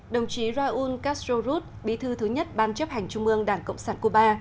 đồng chí raúl castro ruz bí thư thứ nhất ban chấp hành trung ương đảng cộng sản cuba